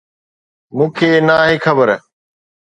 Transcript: مون کي ناهي خبر.